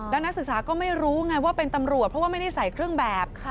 แล้วนักศึกษาก็ไม่รู้ไงว่าเป็นตำรวจเพราะว่าไม่ได้ใส่เครื่องแบบ